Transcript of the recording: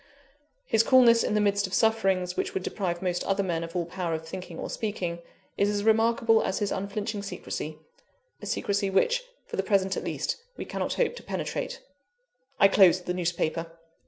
His coolness in the midst of sufferings which would deprive most other men of all power of thinking or speaking, is as remarkable as his unflinching secrecy a secrecy which, for the present at least, we cannot hope to penetrate." I closed the newspaper.